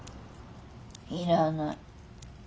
いらない。